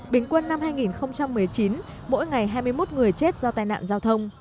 bình quân năm hai nghìn một mươi chín mỗi ngày hai mươi một người chết do tai nạn giao thông